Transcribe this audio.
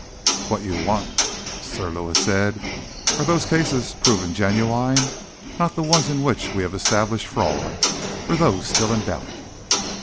"What you want," Sir Lewis said, "are those cases proven genuine, not the ones in which we have established fraud, or those still in doubt."